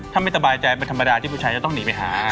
ถ้าไม่สบายใจเป็นธรรมดาที่ผู้ชายจะต้องหนีไปหา